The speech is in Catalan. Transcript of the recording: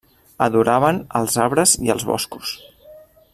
Adoraven els arbres i els boscos.